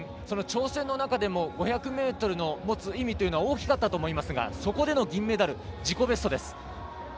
その挑戦の中でも５００ｍの持つ意味というのは大きかったと思いますがそこでの銀メダル自己ベストです。